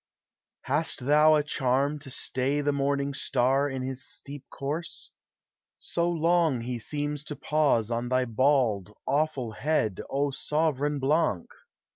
Hast thou a charm to stay the morning star In his steep course? So long he seems to pause On thy bald, awful head, O sovran Blanc!